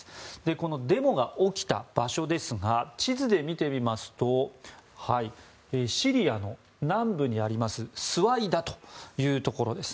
このデモが起きた場所ですが地図で見てみますとシリアの南部にありますスワイダというところです。